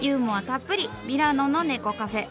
たっぷりミラノの猫カフェ。